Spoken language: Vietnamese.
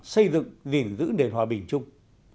xây dựng gìn giữ nền hòa bình chung